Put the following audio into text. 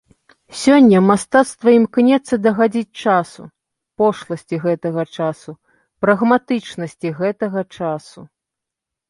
Сёння мастацтва імкнецца дагадзіць часу, пошласці гэтага часу, прагматычнасці гэтага часу.